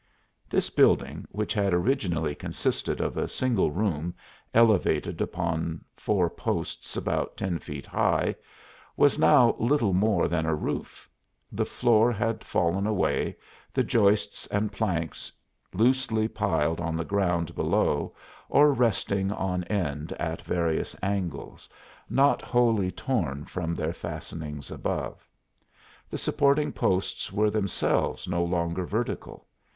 This building, which had originally consisted of a single room elevated upon four posts about ten feet high, was now little more than a roof; the floor had fallen away, the joists and planks loosely piled on the ground below or resting on end at various angles, not wholly torn from their fastenings above. The supporting posts were themselves no longer vertical.